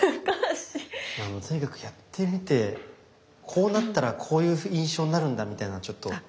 とにかくやってみてこうなったらこういう印象になるんだみたいなのをちょっと。